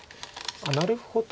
なるほど。